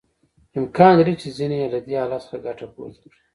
امکان لري چې ځینې یې له دې حالت څخه ګټه پورته کړي